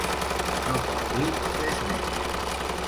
No cal dir res més.